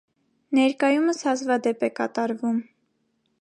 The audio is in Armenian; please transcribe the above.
Ներկայումս հազվադեպ է կատարվում։